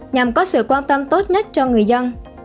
nhằm có sự quan tâm tốt nhất cho người dân